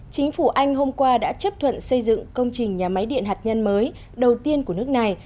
chính phủ anh hôm qua đã chấp thuận xây dựng công trình nhà máy điện hạt nhân mới đầu tiên của nước này